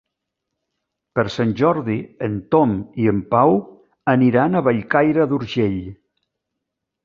Per Sant Jordi en Tom i en Pau aniran a Bellcaire d'Urgell.